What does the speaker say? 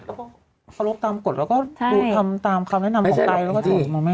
อ่าฮะแล้วก็เคารพตามกฎแล้วก็ใช่กูทำตามคำแนะนำของใครแล้วก็ถูกมาแม่ง